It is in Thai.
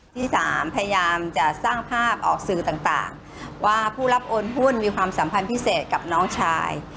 ที่สามพยายามจะสร้างภาพออกสื่อต่างว่าผู้รับโอนหุ้นมีความสัมพันธ์พิเศษกับน้องชาย